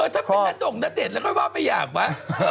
ถ้าเป็นนัดด่งนัดเด่นแล้วก็ไม่ว่าไม่อยากปะ